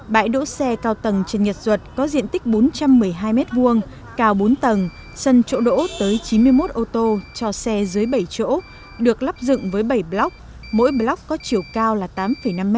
bãi đỗ xe cao tầng trần nhật duật có diện tích bốn trăm một mươi hai m hai cao bốn tầng sân chỗ đỗ tới chín mươi một ô tô cho xe dưới bảy chỗ được lắp dựng với bảy block mỗi block có chiều cao là tám năm m